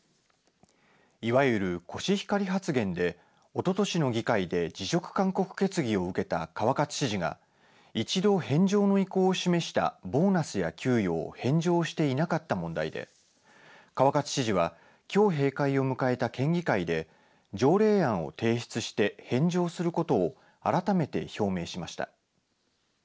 いわゆるコシヒカリ発言でおととしの議会で辞職勧告決議を受けた川勝知事が一度返上の意向を示したボーナスや給与を返上していなかった問題で川勝知事はきょう閉会を迎えた県議会で条例案を提出して返上することを改めて表明しました。